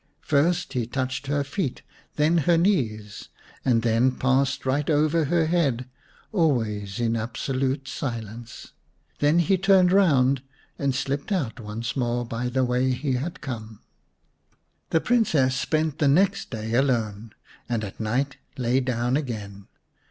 First he touched her feet, then her knees, and then passed right over her head, always in absolute silence. Then he turned round and slipped out once more by the way he had come. The Princess spent the next day alone, and at night lay down again.